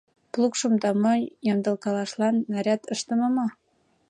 Плугшым да монь ямдылкалашлан наряд ыштыме мо?